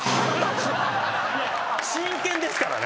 真剣ですから！